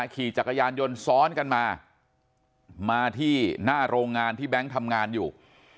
ขี่จักรยานยนต์ซ้อนกันมามาที่หน้าโรงงานที่แบงค์ทำงานอยู่